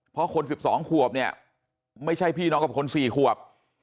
เพราะคน๑๒ขวบเนี่ยไม่ใช่พี่น้องกับคน๔ขวบ